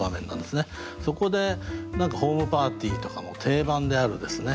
そこで何かホームパーティーとかの定番であるですね